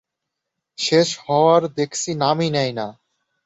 শেষ হওয়ার দেখছি নামই নেয় না।